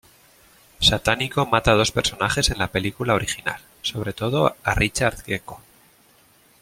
Satánico mata a dos personajes en la película original, sobre todo a Richard Gecko.